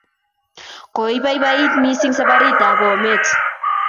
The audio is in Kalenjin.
Koipoipoiti missing' saparit ap Bomet